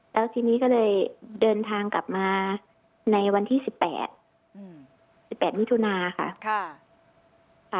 แล้วทีนี้ก็เลยเดินทางกลับมาในวันที่๑๘๑๘มิถุนาค่ะ